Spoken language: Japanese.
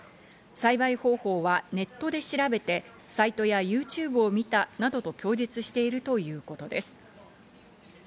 栽培方法はネットで調べてサイトやＹｏｕＴｕｂｅを見たなどと供述しているということです。